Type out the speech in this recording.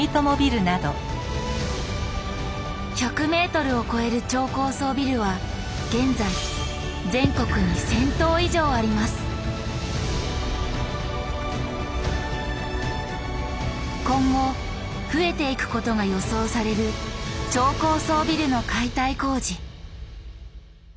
１００ｍを超える超高層ビルは現在全国に今後増えていくことが予想される超高層ビルの解体工事。